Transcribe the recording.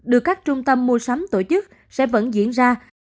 được các trung tâm mua sắm tổ chức sẽ vẫn diễn ra